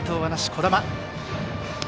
児玉。